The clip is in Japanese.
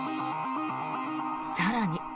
更に。